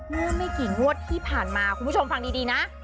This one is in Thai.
เมื่อไม่กี่งวดที่ผ่านมาคุณผู้ชมฟังดีนะ